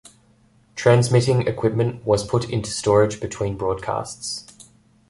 Transmitting equipment was put into storage between broadcasts.